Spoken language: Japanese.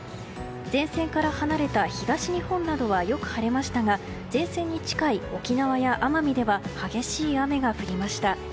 前線から離れた東日本などはよく晴れましたが前線に近い沖縄や奄美では激しい雨が降りました。